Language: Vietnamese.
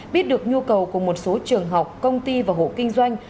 biết được nhu cầu của một số trường học công ty và hộ kinh doanh